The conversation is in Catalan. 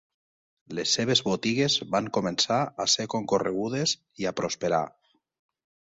Les seves botigues van començar a ser concorregudes i a prosperar.